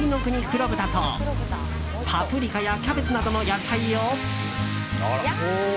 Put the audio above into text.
黒豚とパプリカやキャベツなどの野菜を。